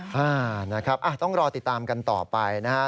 อ่านะครับต้องรอติดตามกันต่อไปนะฮะ